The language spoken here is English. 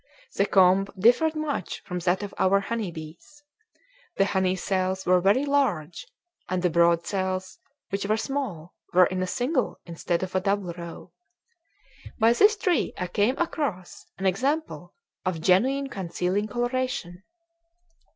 The comb differed much from that of our honey bees. The honey cells were very large, and the brood cells, which were small, were in a single instead of a double row. By this tree I came across an example of genuine concealing coloration.